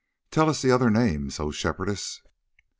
"Tell us the other names, O Shepherdess."